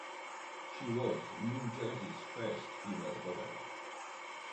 She was New Jersey's first female governor.